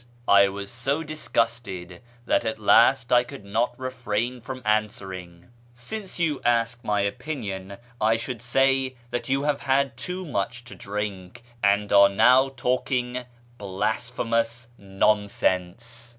I was so disgusted that at last I could not refrain from answering, " Since you ask my opinion, I should say that you have had too much to drink, and are now talking blasphemous nonsense."